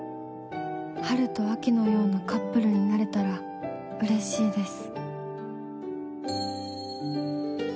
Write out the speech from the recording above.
ハルとアキのようなカップルになれたら嬉しいです」。